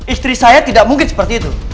istri saya tidak mungkin seperti itu